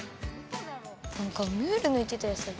なんかムールのいってた野菜。